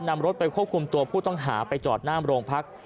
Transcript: นำรถไปควบคุมตัวผู้ต้องหาไปจอดหน้ามโรงพัก